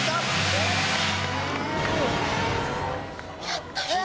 やったよ！